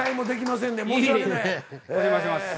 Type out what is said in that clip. お邪魔します。